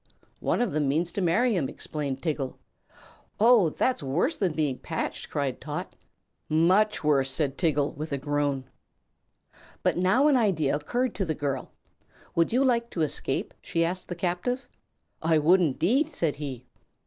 "One of them means to marry him," explained Tiggle. "Oh, that's worse than being patched!" cried Trot. "Much worse," said Tiggle, with a groan. But now an idea occurred to the girl. "Would you like to escape?" she asked the captive. "I would, indeed!" said he.